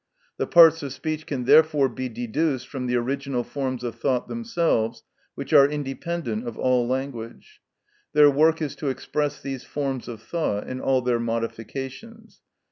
The parts of speech can therefore be deduced from the original forms of thought themselves which are independent of all language; their work is to express these forms of thought in all their modifications.